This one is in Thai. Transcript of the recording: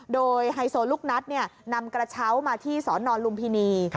โดยไฮโซลูกนัดนำกระเช้ามาที่สนลุมพินี